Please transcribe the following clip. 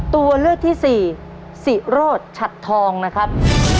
ตัวเลือกที่สี่สิโรธฉัดทองนะครับ